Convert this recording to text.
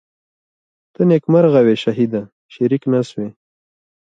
ته نیکمرغه وې شهیده شریک نه سوې